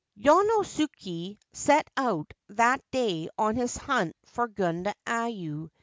Yonosuke set out that day on his hunt for Gundayu.